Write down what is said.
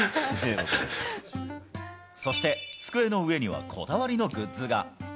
そして机の上にはこだわりのグッズが。